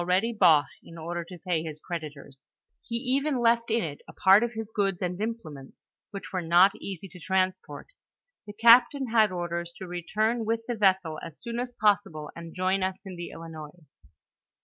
98 ready bought, in order to pay bis creditors. IIo even left in it a parte.' his goods and implements, which were not easy to transport. The captain had ordere to return with the vessel as soon as possible, and join us in the Ilinois.